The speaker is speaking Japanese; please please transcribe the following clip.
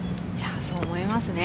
そう思いますね。